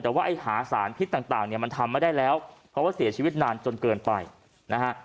แต่ว่าไอ้หาสารพิษต่างเนี่ยมันทำไม่ได้แล้วเพราะว่าเสียชีวิตนานจนเกินไปนะฮะ